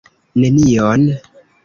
Nenion?